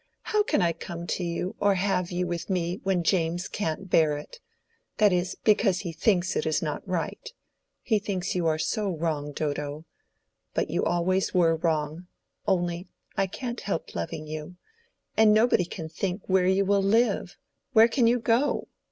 "How can I come to you or have you with me when James can't bear it?—that is because he thinks it is not right—he thinks you are so wrong, Dodo. But you always were wrong: only I can't help loving you. And nobody can think where you will live: where can you go?"